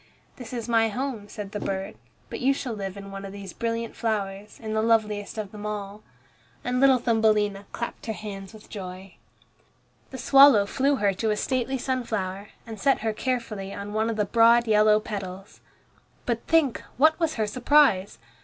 "This is my home," said the bird, "but you shall live in one of these brilliant flowers, in the loveliest of them all'." And little Thumbelina clapped her hands with joy. The swallow flew with her to a stately sunflower, and set her carefully on one of the broad yellow petals. But think, what was her surprise!